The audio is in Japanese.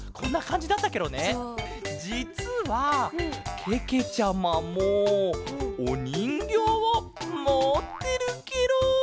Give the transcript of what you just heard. じつはけけちゃまもおにんぎょうをもってるケロ。